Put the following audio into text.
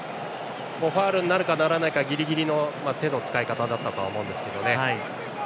ファウルになるかならないかギリギリの手の使い方だったと思うんですけど。